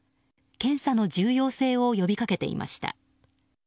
検査の重要性を呼び掛けていました。